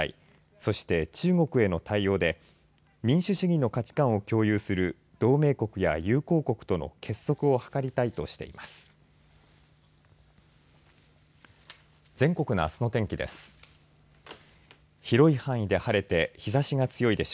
そして中国への対応で民主主義の価値観を共有する同盟国や友好国との結束をはかりたいとしています。